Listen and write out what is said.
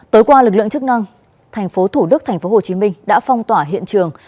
tối qua lực lượng chức năng tp thủ đức tp hcm đã phong tỏa hiện trường